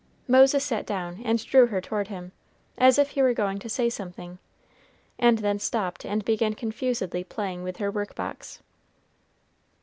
Moses sat down and drew her toward him, as if he were going to say something, and then stopped and began confusedly playing with her work box.